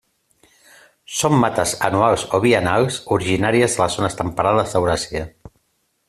Són mates anuals o biennals originàries de les zones temperades d'Euràsia.